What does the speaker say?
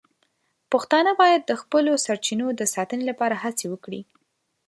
پښتانه باید د خپلو سرچینو د ساتنې لپاره هڅې وکړي.